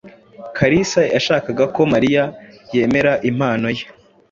Kalisa yashakaga ko Mariya yemera impano ye.